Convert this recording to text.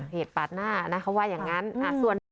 เหตุปาดหน้านะเขาว่าอย่างนั้น